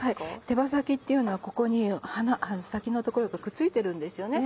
手羽先っていうのはここに先の所がくっついてるんですよね。